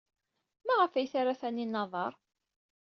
Maɣef ay terra Taninna aḍar?